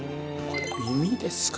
耳ですか？